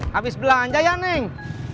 habis belanja ya neng